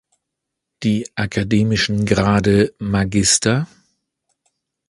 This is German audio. Die akademischen Grade "Mag.